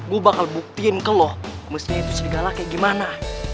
gua bakal buktiin ke lo mestinya itu serigala kayak gimana